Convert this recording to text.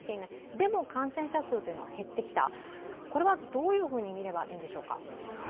でも、感染者数は減ってきた、これはどういうふうに見ればいいんでしょうか。